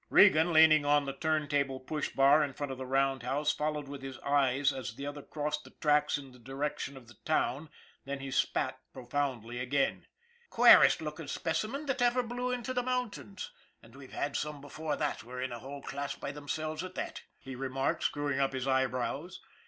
Regan, leaning on the turntable push bar in front of the roundhouse, followed with his eyes as the other crossed the tracks in the direction of the town, then he spat profoundly again. " Queerest looking specimen that ever blew into the MARLEY 215 mountains, and we've had some before that were in a whole class by themselves at that," he remarked, screw ing up his eyebrows.